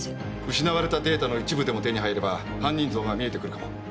失われたデータの一部でも手に入れば犯人像が見えてくるかも。